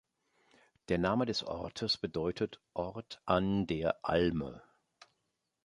Der Name des Ortes bedeutet „Ort an der Alme“.